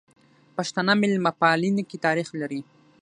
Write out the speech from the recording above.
پښتانه ميلمه پالنې کی تاریخ لري.